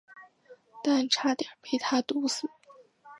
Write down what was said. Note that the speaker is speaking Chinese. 但差点被他毒死。